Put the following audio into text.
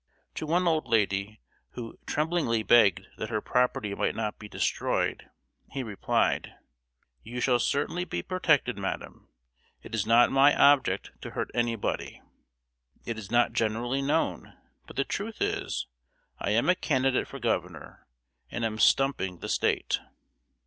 To one old lady, who tremblingly begged that her property might not be destroyed, he replied: "You shall certainly be protected, madam. It is not my object to hurt any body. It is not generally known, but the truth is, I am a candidate for Governor, and am stumping the State."